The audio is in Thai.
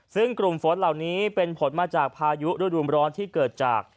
ซึ่งกลุ่มฝนเหล่านี้เป็นผลมาจากพายุฤดูมร้อนที่เกิดจาก